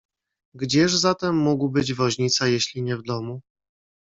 "Gdzież zatem mógł być woźnica, jeśli nie w domu?"